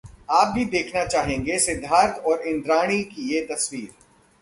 आप भी देखना चाहेंगे सिद्धार्थ और इंद्राणी की ये तस्वीर